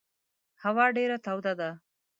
هوا ډېره توده ده.